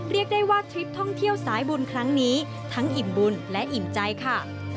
เรียกได้ว่าทริปท่องเที่ยวสายบุญครั้งนี้ทั้งอิ่มบุญและอิ่มใจค่ะ